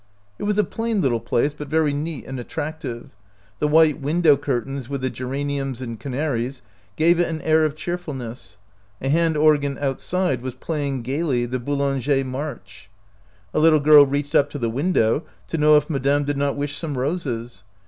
It was a plain little place, but very neat and attractive. The white window curtains with the geraniums and canaries gave it an air of cheerfulness. A hand organ outside was playing gaily the Boulanger March. A little girl reached up to the window to know if madatne did not wish some roses.